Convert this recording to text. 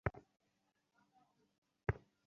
প্রাতঃকাল হইলেই কিন্তু তাহারা আবার পরস্পর যুদ্ধ করিত।